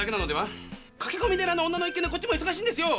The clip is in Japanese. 駆け込み寺の女の一件でこっちも忙しいんですよぉ！